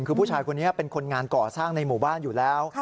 คือผู้ชายคนนี้เป็นคนงานก่อสร้างในหมู่บ้านอยู่แล้ว